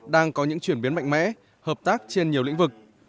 đang có những chuyển biến mạnh mẽ hợp tác trên nhiều lĩnh vực